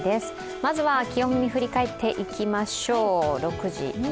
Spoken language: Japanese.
まずは気温を振り返っていきましょう。